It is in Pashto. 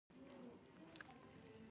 ایا ستاسو پوهنتون معیاري دی؟